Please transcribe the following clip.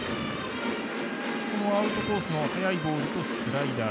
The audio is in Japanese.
このアウトコースの速いボールとスライダー。